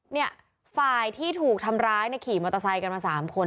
เนี่ยฝ่ายที่ถูกทำร้ายเนี่ยขี่มอเตอร์ไซค์กันมา๓คน